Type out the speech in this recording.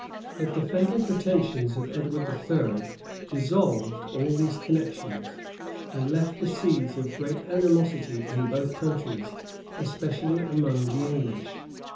But the fatal pretensions of Edward III. dissolved all these connections, and left the seeds of great animosity in both countries, especially among the English.